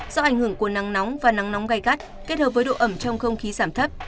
do ảnh hưởng của nắng nóng và nắng nóng gai gắt kết hợp với độ ẩm trong không khí giảm thấp